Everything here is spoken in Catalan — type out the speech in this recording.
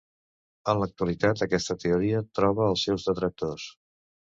En l'actualitat aquesta teoria troba els seus detractors.